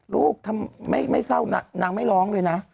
ลูกถ้าไม่เศร้านางไม่ร้องเลยนะ